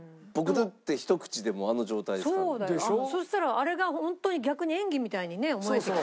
そしたらあれがホントに逆に演技みたいに思えてきちゃう。